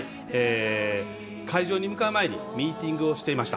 会場に向かう前にミーティングをしていました。